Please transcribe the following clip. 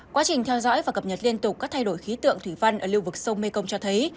quá trình theo dõi và cập nhật liên tục các thay đổi khí tượng thủy văn ở lưu vực sông mekong cho thấy